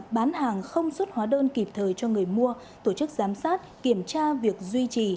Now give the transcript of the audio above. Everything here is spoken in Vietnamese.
bán hàng không xuất hóa đơn kịp thời cho người mua tổ chức giám sát kiểm tra việc duy trì